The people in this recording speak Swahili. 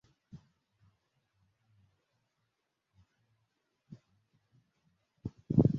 Hujulikana kwa majina ya Mkweso Machindi Tukulanga nakadhalika